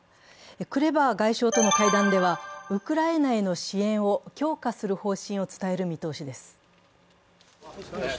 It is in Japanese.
クレバ外相との対談ではウクライナへの支援を強化する方針を伝える見通しです。